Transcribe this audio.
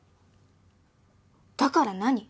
だから何？